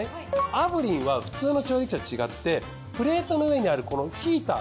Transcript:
炙輪は普通の調理器と違ってプレートの上にあるこのヒーター。